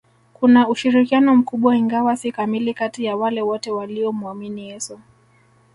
Kuna ushirikiano mkubwa ingawa si kamili kati ya wale wote waliomuamini Yesu